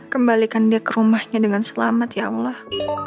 kembalikan dia ke rumahnya dengan selamat ya allah